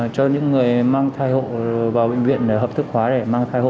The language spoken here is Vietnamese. cho những người mang thai hộ vào bệnh viện để hợp thức hóa để mang thai hộ